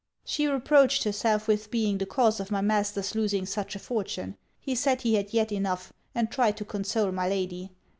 She reproached herself with being the cause of my master's losing such a fortune. He said he had yet enough; and tried to console my lady.